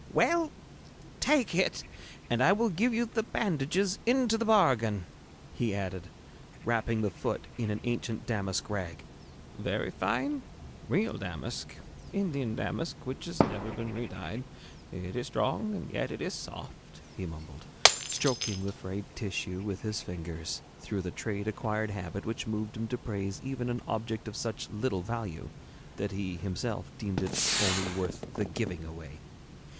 'Well, take it, and I will give you the bandages into the bargain,' he added, wrapping the foot in an ancient damask rag. 'Very fine? Real damask Indian damask which has never been redyed. It is strong, and yet it is soft,' he mumbled, stroking the frayed tissue with his fingers, through the trade acquired habit which moved him to praise even an object of such little value that he himself deemed it only worth the giving away.